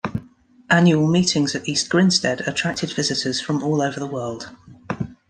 Annual meetings at East Grinstead attracted visitors from all over the world.